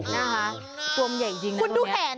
ตัวมันใหญ่จริงนะคะ